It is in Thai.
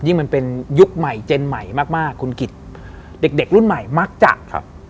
มันเป็นยุคใหม่เจนใหม่มากมากคุณกิจเด็กเด็กรุ่นใหม่มักจะครับ